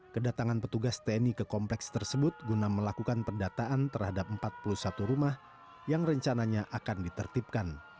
kedatangan petugas tni ke kompleks tersebut guna melakukan pendataan terhadap empat puluh satu rumah yang rencananya akan ditertibkan